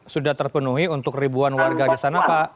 sudah terpenuhi untuk ribuan warga di sana pak